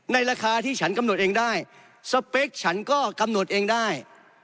ราคาที่ฉันกำหนดเองได้สเปคฉันก็กำหนดเองได้